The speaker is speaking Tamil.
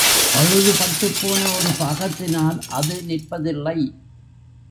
பழுது பட்டுப்போன ஒரு பாகத்தினால் அது நிற்பதில்லை.